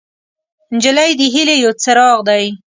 نجلۍ د هیلې یو څراغ دی.